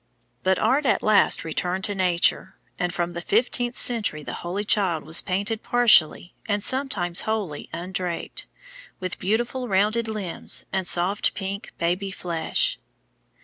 But art at last returned to nature, and from the fifteenth century the Holy Child was painted partially and sometimes wholly undraped, with beautiful rounded limbs and soft pink baby flesh.